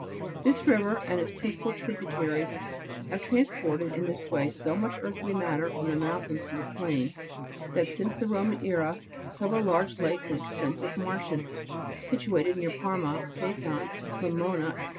This river, and its principal tributaries, have transported, in this way, so much earthy matter from the mountains to the plain, that, since the Roman era, several large lakes and extensive marshes, situated near Parma, Paisance, Cre mona, &c.